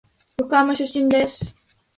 横浜出身です。